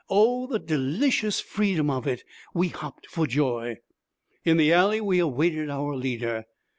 oh, the delicious freedom of it! We hopped for joy. In the alley we awaited our leader.